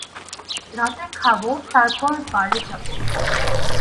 রাতে খাবো, তারপর বারে যাবো।